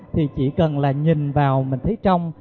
thì chỉ cần là nhìn vào mình thấy trong